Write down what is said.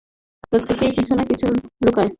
প্রত্যেকেই কিছু না কিছু লুকোয়।